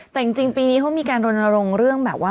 แต่จริงปีนี้เขามีการรณรงค์เรื่องแบบว่า